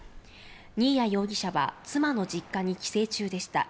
新谷容疑者は妻の実家に帰省中でした。